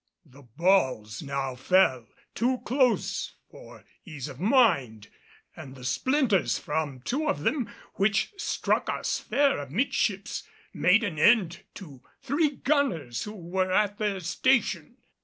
The balls now fell too close for ease of mind, and the splinters from two of them, which struck us fair amidships, made an end to three gunners who were at their stations.